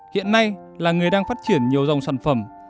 hiện nay làng nghề đang phát triển nhiều dòng sản phẩm